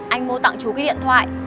anh mua tặng chú cái điện thoại